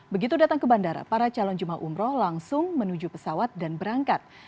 begitu datang ke bandara para calon jemaah umroh langsung menuju pesawat dan berangkat